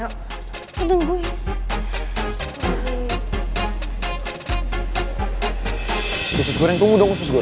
usus goreng tunggu dong usus goreng